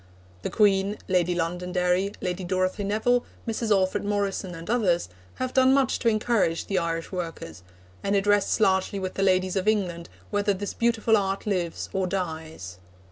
The Queen, Lady Londonderry, Lady Dorothy Nevill, Mrs. Alfred Morrison, and others, have done much to encourage the Irish workers, and it rests largely with the ladies of England whether this beautiful art lives or dies.